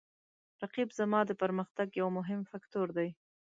رقیب زما د پرمختګ یو مهم فکتور دی